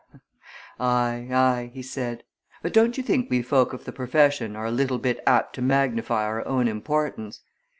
"Aye, aye!" he said. "But don't you think we folk of the profession are a little bit apt to magnify our own importance?